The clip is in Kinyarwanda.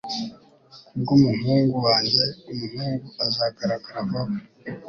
kubwumuhungu wanjye umuhungu azagaragara vuba